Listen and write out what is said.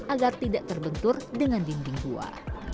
agar tidak terbentur dengan dinding gua